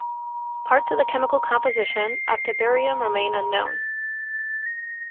Parts of the chemical composition of tiberium remain unknown.